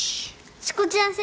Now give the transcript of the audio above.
しこちゃん先生。